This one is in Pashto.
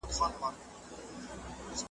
آزادي هلته نعمت وي د بلبلو ,